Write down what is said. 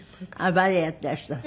バレエやってらしたの？